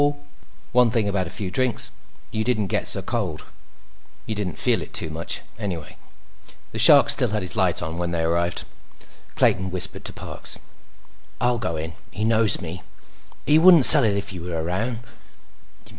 One thing about a few drinks; you didn't get so cold. You didn't feel it too much, anyway. The Shark still had his light on when they arrived. Clayton whispered to Parks: "I'll go in. He knows me. He wouldn't sell it if you were around.